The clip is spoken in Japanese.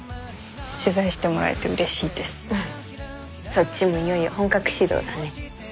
そっちもいよいよ本格始動だね。